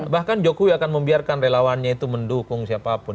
bahkan jokowi akan membiarkan relawannya itu mendukung siapapun